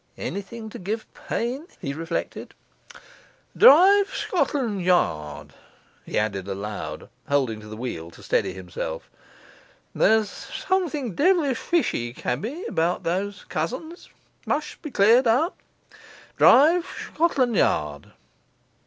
'Anything t' give pain,' he reflected. ... 'Drive Shcotlan' Yard,' he added aloud, holding to the wheel to steady himself; 'there's something devilish fishy, cabby, about those cousins. Mush' be cleared up! Drive Shcotlan' Yard.